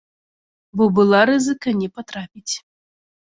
Бо была рызыка не патрапіць.